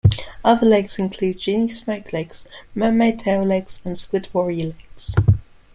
Other legs include Genie smoke legs, mermaid tail legs, and Squid Warrior legs.